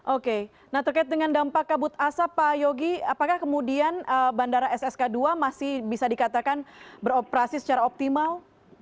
oke nah terkait dengan dampak kabut asap pak yogi apakah kemudian bandara ssk dua masih bisa dikatakan beroperasi secara optimal